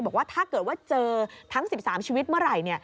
บอกว่าถ้าเกิดว่าเจอทั้ง๑๓ชีวิตเมื่อไหร่